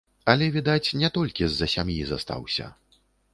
Але, відаць, не толькі з-за сям'і застаўся.